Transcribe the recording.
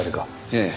ええ。